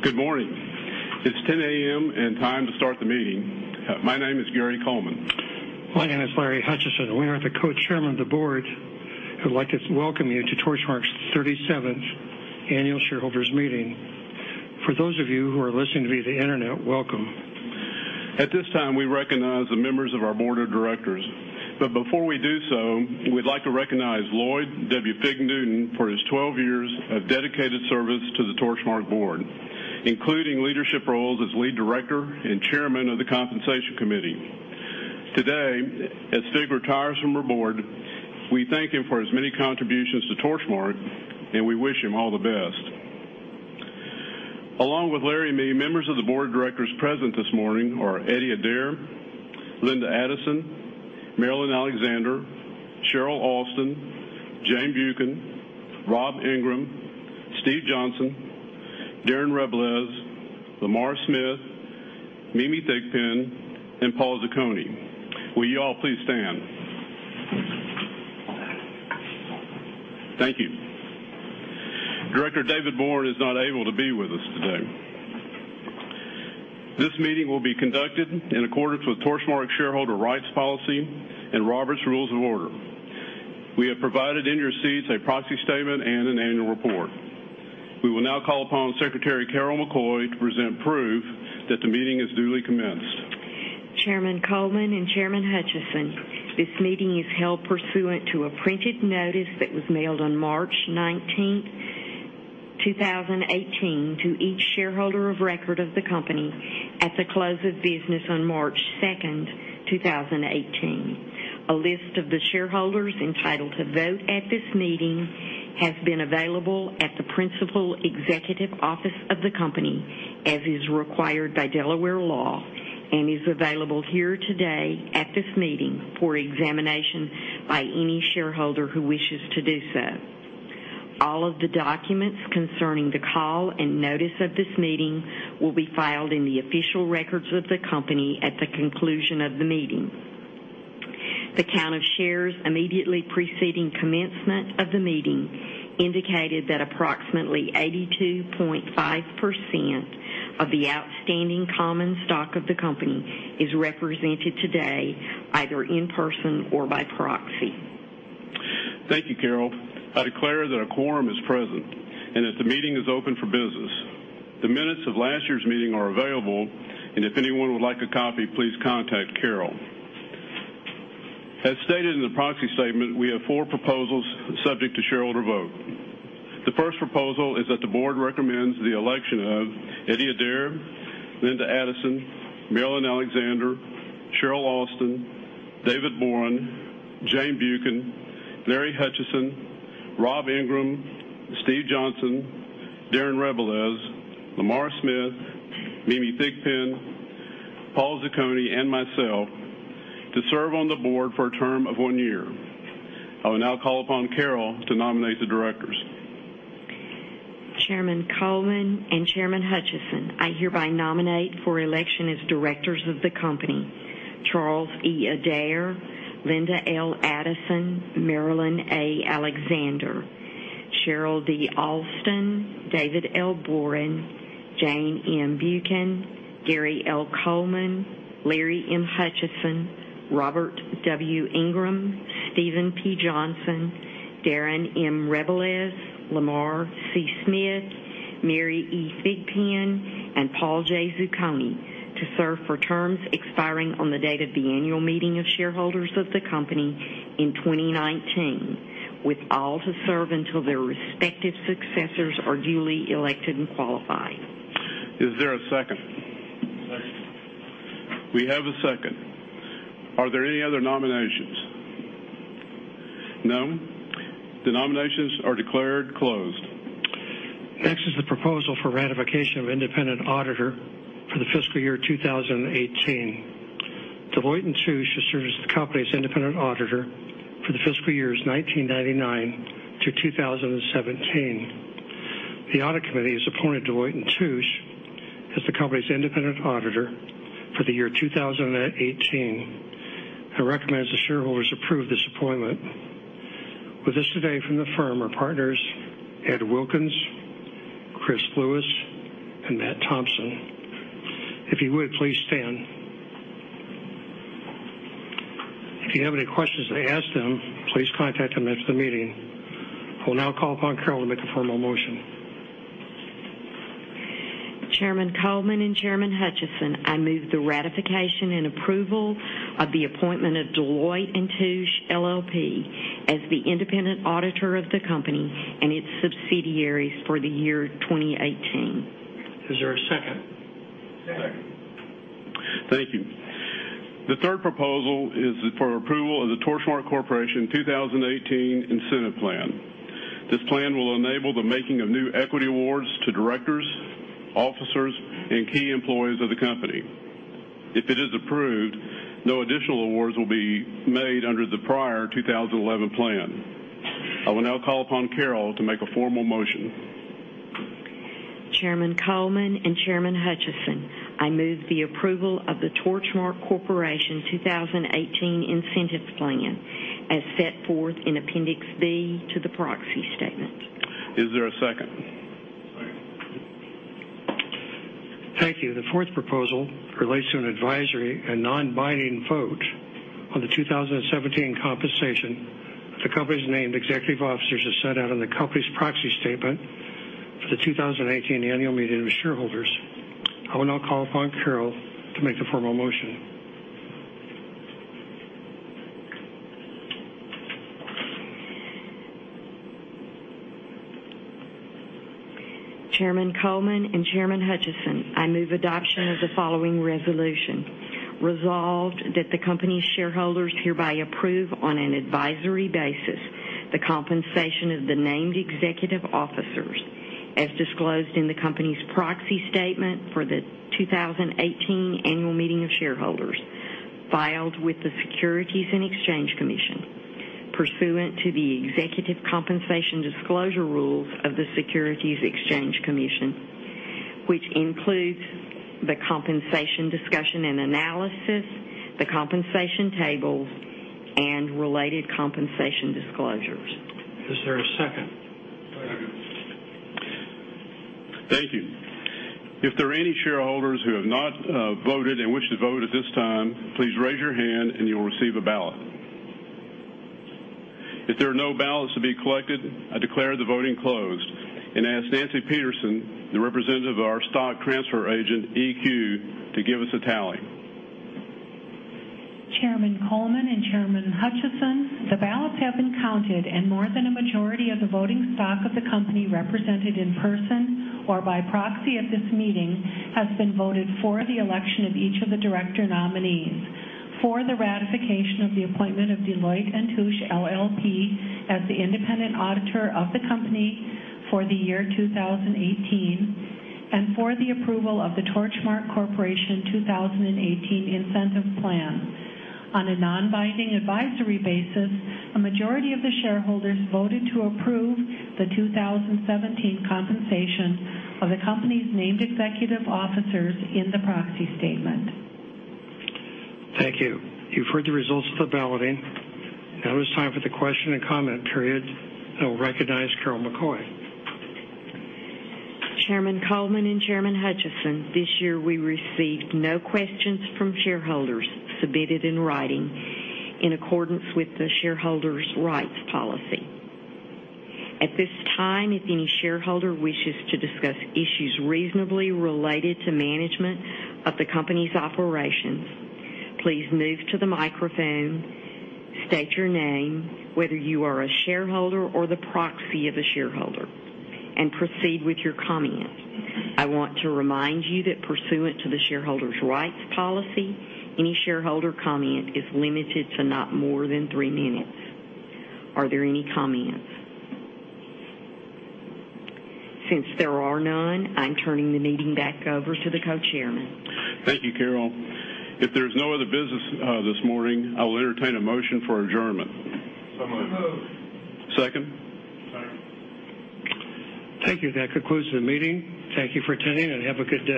Good morning. It's 10:00 A.M. and time to start the meeting. My name is Gary Coleman. My name is Larry Hutchison, we are the co-chairmen of the board. I'd like to welcome you to Torchmark's 37th annual shareholders meeting. For those of you who are listening via the internet, welcome. At this time, we recognize the members of our board of directors. Before we do so, we'd like to recognize Lloyd W. Fig Newton for his 12 years of dedicated service to the Torchmark board, including leadership roles as lead director and chairman of the compensation committee. Today, as Fig retires from our board, we thank him for his many contributions to Torchmark, and we wish him all the best. Along with Larry and me, members of the board of directors present this morning are Eddie Adair, Linda Addison, Marilyn Alexander, Cheryl Alston, Jane Buchan, Rob Ingram, Steve Johnson, Darren Rebelez, Lamar Smith, Mimi Thigpen, and Paul Zucconi. Will you all please stand? Thank you. Director David Boren is not able to be with us today. This meeting will be conducted in accordance with Torchmark's Shareholder Rights Policy and Robert's Rules of Order. We have provided in your seats a proxy statement and an annual report. We will now call upon Secretary Carol McCoy to present proof that the meeting is duly commenced. Chairman Coleman and Chairman Hutchison, this meeting is held pursuant to a printed notice that was mailed on March 19th, 2018, to each shareholder of record of the company at the close of business on March 2nd, 2018. A list of the shareholders entitled to vote at this meeting has been available at the principal executive office of the company, as is required by Delaware law, and is available here today at this meeting for examination by any shareholder who wishes to do so. All of the documents concerning the call and notice of this meeting will be filed in the official records of the company at the conclusion of the meeting. The count of shares immediately preceding commencement of the meeting indicated that approximately 82.5% of the outstanding common stock of the company is represented today, either in person or by proxy. Thank you, Carol. I declare that a quorum is present and that the meeting is open for business. The minutes of last year's meeting are available, if anyone would like a copy, please contact Carol. As stated in the proxy statement, we have four proposals subject to shareholder vote. The first proposal is that the board recommends the election of Eddie Adair, Linda Addison, Marilyn Alexander, Cheryl Alston, David Boren, Jane Buchan, Larry Hutchison, Rob Ingram, Steve Johnson, Darrin Rebelez, Lamar Smith, Mimi Thigpen, Paul Zucconi, and myself to serve on the board for a term of one year. I will now call upon Carol to nominate the directors. Chairman Coleman and Chairman Hutchison, I hereby nominate for election as directors of the company, Charles E. Adair, Linda L. Addison, Marilyn A. Alexander, Cheryl D. Alston, David L. Boren, Jane M. Buchan, Gary L. Coleman, Larry M. Hutchison, Robert W. Ingram, Steven P. Johnson, Darren M. Rebelez, Lamar C. Smith, Mary E. Thigpen, and Paul J. Zucconi to serve for terms expiring on the date of the annual meeting of shareholders of the company in 2019, with all to serve until their respective successors are duly elected and qualified. Is there a second? Second. We have a second. Are there any other nominations? No? The nominations are declared closed. Next is the proposal for ratification of independent auditor for the fiscal year 2018. Deloitte & Touche has served as the company's independent auditor for the fiscal years 1999 to 2017. The audit committee has appointed Deloitte & Touche as the company's independent auditor for the year 2018 and recommends the shareholders approve this appointment. With us today from the firm are partners Edward Wilkins, Chris Lewis, and Matt Thompson. If you would, please stand. If you have any questions to ask them, please contact them after the meeting. I will now call upon Carol to make a formal motion. Chairman Coleman and Chairman Hutchison, I move the ratification and approval of the appointment of Deloitte & Touche LLP as the independent auditor of the company and its subsidiaries for the year 2018. Is there a second? Second. Thank you. The third proposal is for approval of the Torchmark Corporation 2018 Incentive Plan. This plan will enable the making of new equity awards to directors, officers, and key employees of the company. If it is approved, no additional awards will be made under the prior 2011 plan. I will now call upon Carol to make a formal motion. Chairman Coleman and Chairman Hutchison, I move the approval of the Torchmark Corporation 2018 Incentive Plan as set forth in Appendix B to the proxy statement. Is there a second? Second. Thank you. The fourth proposal relates to an advisory, a non-binding vote on the 2017 compensation of the company's named executive officers as set out in the company's proxy statement for the 2018 annual meeting of shareholders. I will now call upon Carol to make the formal motion. Chairman Coleman and Chairman Hutchison, I move adoption of the following resolution. Resolved that the company's shareholders hereby approve on an advisory basis the compensation of the named executive officers as disclosed in the company's proxy statement for the 2018 annual meeting of shareholders, filed with the Securities and Exchange Commission, pursuant to the executive compensation disclosure rules of the Securities and Exchange Commission, which includes the compensation discussion and analysis, the compensation tables, and related compensation disclosures. Is there a second? Second. Thank you. If there are any shareholders who have not voted and wish to vote at this time, please raise your hand and you will receive a ballot. If there are no ballots to be collected, I declare the voting closed and ask Nancy Peterson, the representative of our stock transfer agent, EQ, to give us a tally. Chairman Coleman and Chairman Hutchison, the ballots have been counted, and more than a majority of the voting stock of the company represented in person or by proxy at this meeting has been voted for the election of each of the director nominees for the ratification of the appointment of Deloitte & Touche LLP as the independent auditor of the company for the year 2018 and for the approval of the Torchmark Corporation 2018 Incentive Plan. On a non-binding advisory basis, a majority of the shareholders voted to approve the 2017 compensation of the company's named executive officers in the proxy statement. Thank you. You've heard the results of the balloting. Now it's time for the question and comment period. I will recognize Carol McCoy. Chairman Coleman and Chairman Hutchison, this year we received no questions from shareholders submitted in writing in accordance with the Shareholder's Rights Policy. At this time, if any shareholder wishes to discuss issues reasonably related to management of the company's operations, please move to the microphone, state your name, whether you are a shareholder or the proxy of a shareholder, and proceed with your comment. I want to remind you that pursuant to the shareholder's rights policy, any shareholder comment is limited to not more than three minutes. Are there any comments? Since there are none, I'm turning the meeting back over to the co-chairman. Thank you, Carol. If there's no other business this morning, I will entertain a motion for adjournment. Moved. Second? Second. Thank you. That concludes the meeting. Thank you for attending, and have a good day.